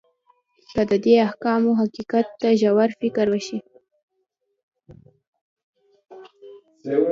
که د دې احکامو حقیقت ته ژور فکر وشي.